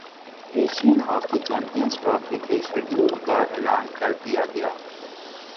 Asian hockey champions trophy کے schedule کا اعلان کردیا گیا